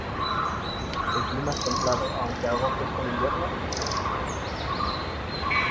El clima es templado, aunque algo fresco en invierno, y seco.